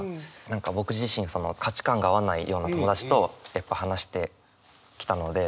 何か僕自身価値観が合わないような友達とやっぱ話してきたので。